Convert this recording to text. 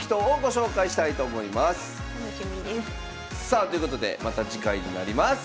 さあということでまた次回になります。